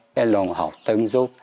cái lồng học tâm giúp